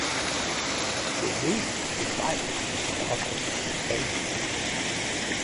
The Duke invited the artist to England.